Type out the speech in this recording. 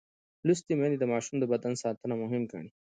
لوستې میندې د ماشوم د بدن ساتنه مهم ګڼي.